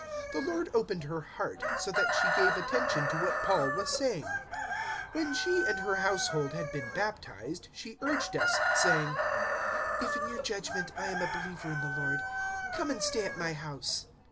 The Lord opened her heart, so that she gave attention to what Paul was saying. 016:015 When she and her household had been baptized, she urged us, saying, "If in your judgement I am a believer in the Lord, come and stay at my house."